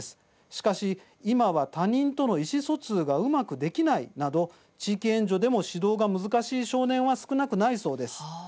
しかし、今は他人との意思疎通がうまくできないなど地域援助でも指導が難しい少年は少なくないそうです。